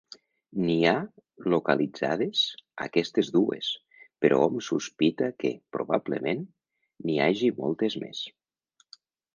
N'hi ha localitzades aquestes dues, però hom sospita que, probablement, n'hi hagi moltes més.